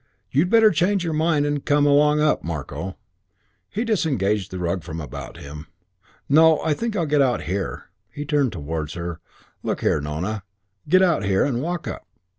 You'd better change your mind and come along up, Marko." He disengaged the rug from about him. "No, I think I'll get out here." He turned towards her. "Look here, Nona. Get out here and walk up."